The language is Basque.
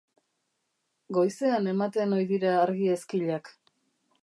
Goizean ematen ohi dira argi ezkilak.